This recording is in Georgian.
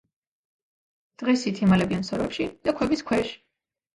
დღისით იმალებიან სოროებში და ქვების ქვეშ.